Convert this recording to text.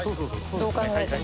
どう考えても。